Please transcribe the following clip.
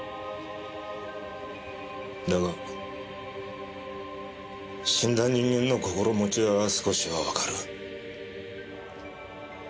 だが死んだ人間の心持ちは少しはわかる。